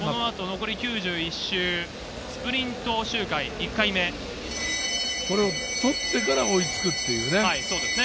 残り９１周、スプリント周回取ってから追いつくというね。